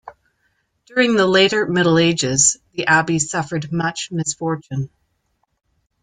During the later Middle Ages, the abbey suffered much misfortune.